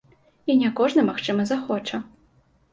І не кожны магчыма захоча.